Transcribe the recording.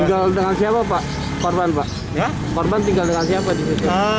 tinggal dengan siapa pak